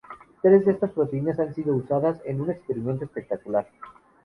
Tres de estas proteínas han sido usadas en un experimento espectacular.